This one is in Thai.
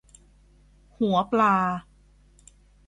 หัวปลา